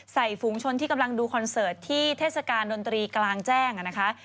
ฝูงชนที่กำลังดูคอนเสิร์ตที่เทศกาลดนตรีกลางแจ้งนะคะ